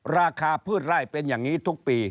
ราคาพืชไร่เป็นอย่างนี้ทุกปี